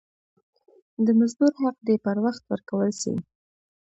د مزدور حق دي پر وخت ورکول سي.